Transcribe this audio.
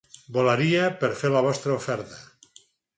Volaria per fer la vostra oferta.